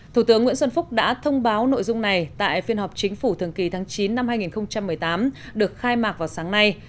thủ tướng nguyễn xuân phúc đã thông báo nội dung này tại phiên họp chính phủ thường kỳ tháng chín năm hai nghìn một mươi tám được khai mạc vào sáng nay